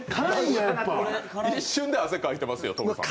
一瞬で汗かいてますよトオルさん。